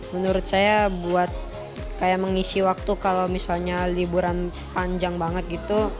menurut saya buat kayak mengisi waktu kalau misalnya liburan panjang banget gitu